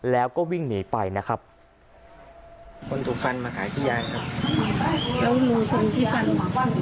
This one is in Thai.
แล้วก็วิ่งหนีไปนะครับคนถูกฟันมาหาที่ยางครับ